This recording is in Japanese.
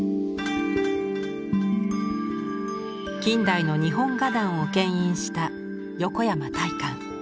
近代の日本画壇をけん引した横山大観。